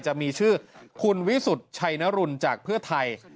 จะมีชื่อคุณวิสุทธิ์ชัยนรุนจากเพื่อไทย